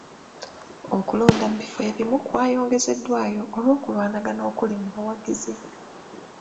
Okulonda mu bifo ebimu kwayongezeddwayo olw'okulwanagana okuli mu bawagizi.